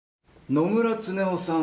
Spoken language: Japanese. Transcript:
野村恒雄さん。